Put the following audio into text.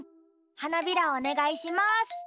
はなびらをおねがいします。